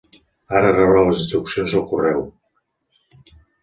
Ara rebrà les instruccions al correu.